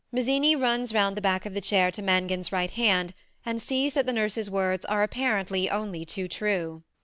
Mazzini runs round the back of the chair to Mangan's right hand, and sees that the nurse's words are apparently only too true.